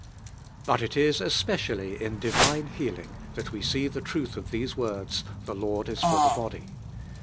Bui it is especially in divine healing that we see the truth of these words: "The Lord is for the body."